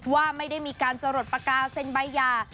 ว่าไม่ได้มีการสลดปากกาเซ็นใบยา